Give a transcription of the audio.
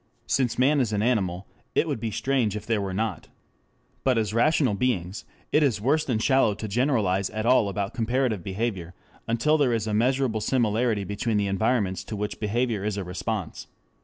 Since man is an animal it would be strange if there were not. But as rational beings it is worse than shallow to generalize at all about comparative behavior until there is a measurable similarity between the environments to which behavior is a response.